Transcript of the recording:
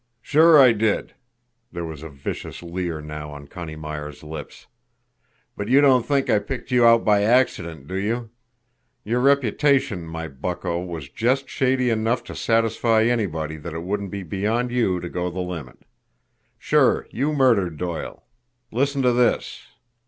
"Sure, I did!" There was a vicious leer now on Connie Myers' lips. "But you don't think I picked you out by ACCIDENT, do you? Your reputation, my bucko, was just shady enough to satisfy anybody that it wouldn't be beyond you to go the limit. Sure, you murdered Doyle! Listen to this."